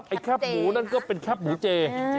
แคบหมูนั่นก็เป็นแคบหมูเจ